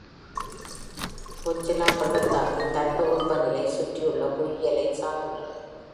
Coachella பள்ளத்தாக்கின் தட்ப வெப்ப நிலை, சுற்றியுள்ள புவியியலை சார்ந்துள்ளது.